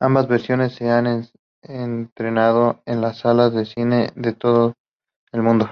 Ambas versiones se han estrenado en salas de cine de todo el mundo.